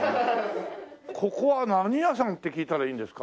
ここは何屋さんって聞いたらいいんですか？